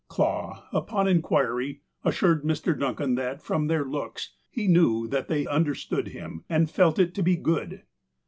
Clah, upon inquiry, assured Mr. Duncan that, from their looks, he knew that they understood him, and felt it to be " good."